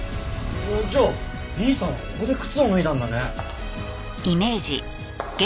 じゃあ怡さんはここで靴を脱いだんだね。